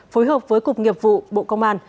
phối hợp với cục nghiệp vụ bộ công an